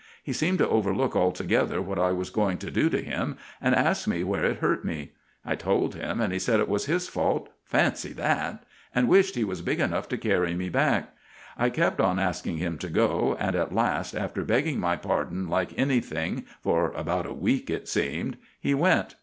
He seemed to overlook altogether what I was going to do to him, and asked me where it hurt me. I told him, and he said it was his fault fancy that! and wished he was big enough to carry me back. I kept on asking him to go, and at last, after begging my pardon like anything, for about a week it seemed, he went.